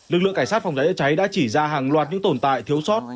lực lượng cảnh sát phòng cháy giấy cháy đã chỉ ra hàng loạt những tồn tại thiếu soát